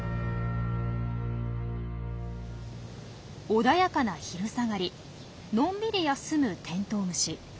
穏やかな昼下がりのんびり休むテントウムシ。